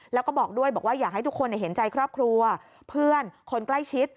แล้วก็บอกด้วยบอกว่าอยากให้ทุกคนเห็นใจครอบครัวเพื่อนคนใกล้ชิด